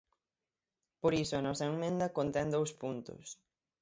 Por iso a nosa emenda contén dous puntos.